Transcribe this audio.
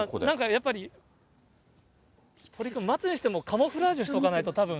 やっぱり、鳥くん、待つにしても、カモフラージュしておかないとたぶん。